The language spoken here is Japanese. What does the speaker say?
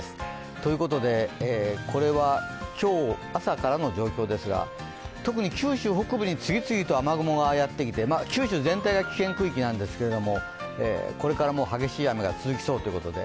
ということで、これは今日、朝からの状況ですが、特に九州北部に次々と雨雲がやってきて、九州全体が危険区域なんですがこれからも激しい雨が続きそうということで。